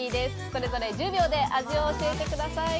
それぞれ１０秒で味を教えてください。